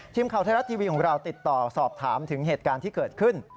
ทีมข่าวไทยรัฐทีวีของเราติดต่อสอบถามถึงเหตุการณ์ที่เกิดขึ้น